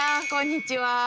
こんにちは。